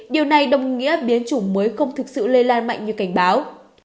điều này đồng nghĩa biến chủng mới không thực sự lây lan mạnh như cảnh báo